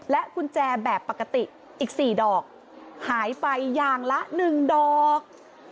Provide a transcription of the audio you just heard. กุญแจแบบปกติอีก๔ดอกหายไปอย่างละ๑ดอก